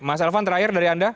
mas elvan terakhir dari anda